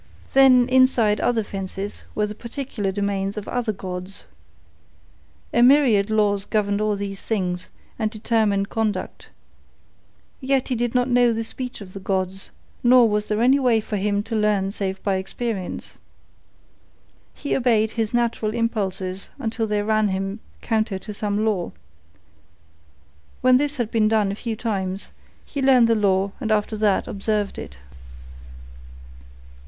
Then inside other fences were the particular domains of other gods. A myriad laws governed all these things and determined conduct; yet he did not know the speech of the gods, nor was there any way for him to learn save by experience. He obeyed his natural impulses until they ran him counter to some law. When this had been done a few times, he learned the law and after that observed it.